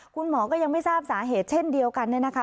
คุณหมอก็ยังไม่ทราบสาเหตุเช่นเดียวกันเนี่ยนะคะ